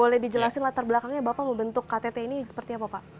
boleh dijelasin latar belakangnya bapak membentuk ktt ini seperti apa pak